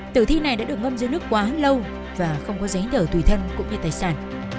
tử thi này đã được ngâm dưới nước quá lâu và không có giấy tờ tùy thân cũng như tài sản